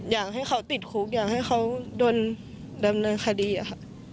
อยากให้เขาติดคุกอยากให้เขาโดนดำเนินคดีอะค่ะ